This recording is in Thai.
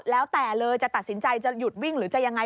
แล้วแต่เลยจะตัดสินใจจะหยุดวิ่งหรือจะยังไง